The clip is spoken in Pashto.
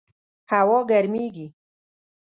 هوا ګرمیږي